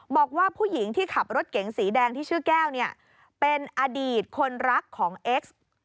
บอกว่าผู้หญิงที่ขับรถเก๋งสีแดงที่ชื่อแก้วเนี่ยเป็นอดีตคนรักของเอ็กซ์